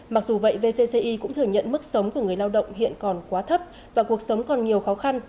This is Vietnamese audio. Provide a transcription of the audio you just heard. mặc dù vậy vcci cũng thừa nhận mức sống của người lao động hiện còn quá thấp và cuộc sống còn nhiều khó khăn